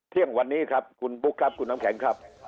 เที่ยงวันนี้ครับคุณบุ๊คครับคุณน้ำแข็งครับ